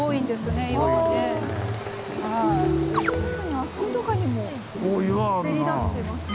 あそことかにもせり出してますね。